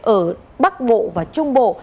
ở bắc bộ và trung bộ